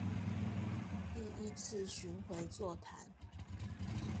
第一次巡迴座談